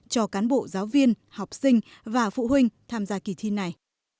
cho cán bộ giáo viên học sinh và phụ huynh tham gia kỳ thi này